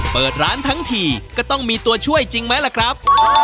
เปิดร้านทั้งทีก็ต้องมีตัวช่วยจริงไหมล่ะครับ